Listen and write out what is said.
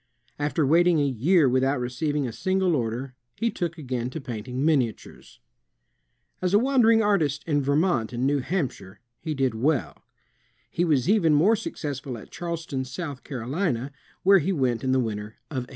After waiting a year without receiving a single order, he took again to painting miniatures. As a wandering artist in Vermont and New Hampshire, he did well. He was even more successful at Charleston, South Carolina, where he went in the winter of 1818.